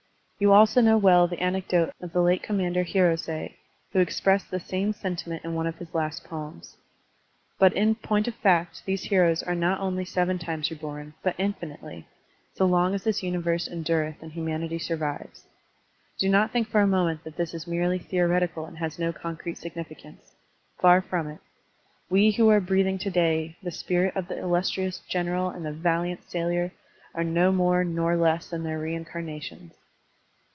You also know well the anecdote of the late Commander Hiros6, who expressed the same sentiment in one of his last poems. But in point of fact these heroes are not only seven times reborn, but infinitely, so long as this tmiverse endureth and humanity stuvives. Do not think for a moment that this is merely theoretical and has no concrete significance. Far from it. We who are breathing to day the spirit of the illus trious general and the valiant sailor are no more nor less than their reincarnations.